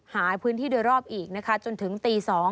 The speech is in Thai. หาพื้นที่โดยรอบอีกนะคะจนถึงตี๒